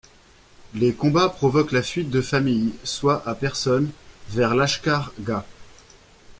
Les combats provoquent la fuite de familles, soit à personnes, vers Lashkar Gah.